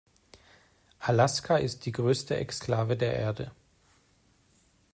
Alaska ist die größte Exklave der Erde.